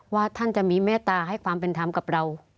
ว่าท่านจะมีเมตตาให้ความเป็นธรรมกับเรา